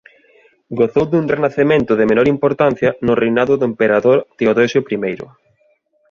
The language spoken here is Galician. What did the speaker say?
Gozou dun renacemento de menor importancia no reinado do emperador Teodosio I.